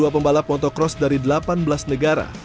empat puluh dua pembalap motocross dari delapan belas negara